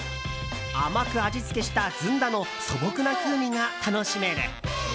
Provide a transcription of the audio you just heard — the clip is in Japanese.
甘く味付けしたずんだの素朴な風味が楽しめる。